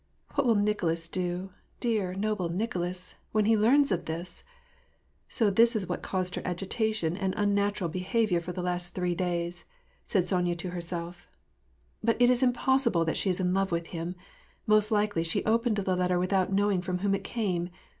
AVhat will Nicolas do, dear, noble Nicolas, when he learns of this ? So this is what caused her agitation and unnatural be havior for the last three days," said Sonjra to herself. " But it is impossible that she is in love with him. Most likely she opened the letter without knowing from whom it came.